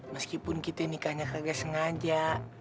meskipun kita nikahnya kagak sengaja